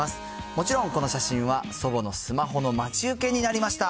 もちろんこの写真は、祖母のスマホの待ち受けになりました。